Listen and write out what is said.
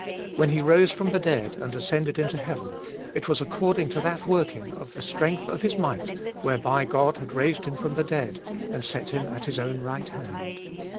When He rose from the dead and ascended into heaven, it was according to that working of the strength of His might, whereby God had raised Him from the dead and set Him at His own right hand.